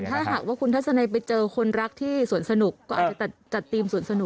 ถ้าหากว่าคุณทัศนัยไปเจอคนรักที่สวนสนุกก็อาจจะจัดทีมสวนสนุก